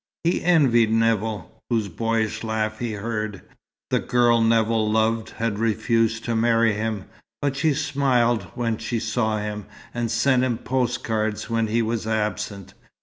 He envied Nevill, whose boyish laugh he heard. The girl Nevill loved had refused to marry him, but she smiled when she saw him, and sent him post cards when he was absent.